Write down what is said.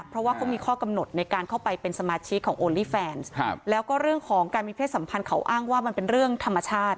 เพราะว่าเขามีข้อกำหนดในการเข้าไปเป็นสมาชิกของโอลี่แฟนแล้วก็เรื่องของการมีเพศสัมพันธ์เขาอ้างว่ามันเป็นเรื่องธรรมชาติ